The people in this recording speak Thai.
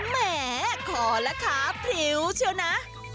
แหมขอละคะพริ้วเชียวนะ